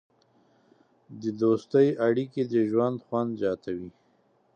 د دوستۍ اړیکې د ژوند خوند زیاتوي.